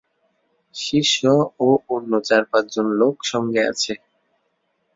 শিষ্য ও অন্য চার-পাঁচ জন লোক সঙ্গে আছে।